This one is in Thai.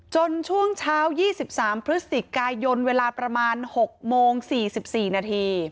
ช่วงเช้า๒๓พฤศจิกายนเวลาประมาณ๖โมง๔๔นาที